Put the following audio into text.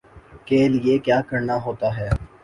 کے لیے کیا کرنا ہوتا ہے